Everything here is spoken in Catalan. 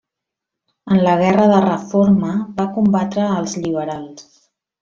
En la Guerra de Reforma va combatre als liberals.